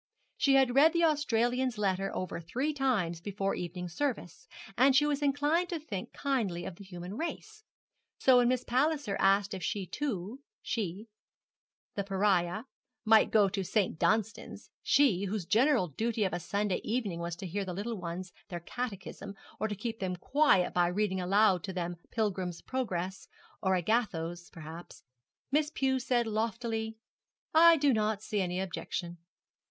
She had read the Australian's letter over three times before evening service, and she was inclined to think kindly of the human race; so when Miss Palliser asked if she too she, the Pariah, might go to St. Dunstan's she, whose general duty of a Sunday evening was to hear the little ones their catechism, or keep them quiet by reading aloud to them 'Pilgrim's Progress' or 'Agathos,' perhaps Miss Pew said, loftily, 'I do not see any objection.'